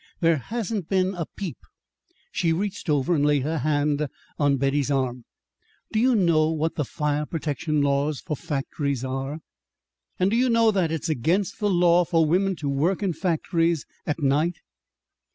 There hasn't been a peep." She reached over and laid a hand on Betty's arm. "Do you know what the fire protection laws for factories are? And do you know that it's against the law for women to work in factories at night?